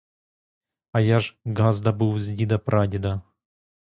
А я ж ґазда був з діда-прадіда!